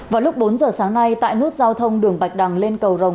vào lúc bốn giờ sáng nay tại nút giao thông đường bạch đăng lên cầu rồng